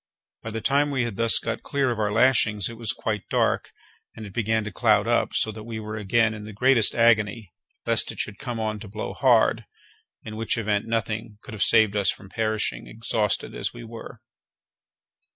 By the time we had thus got clear of our lashings it was quite dark, and it began to cloud up, so that we were again in the greatest agony lest it should come on to blow hard, in which event nothing could have saved us from perishing, exhausted as we were.